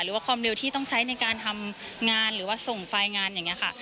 หรือว่าความเร็วที่ต้องใช้ในการทำงานหรือว่าส่งไฟล์งานอย่างนี้ค่ะ